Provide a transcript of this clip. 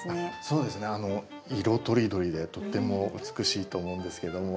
色とりどりでとっても美しいと思うんですけども。